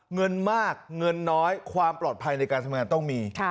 เงินมากเงินน้อยความปลอดภัยในการทำงานต้องมี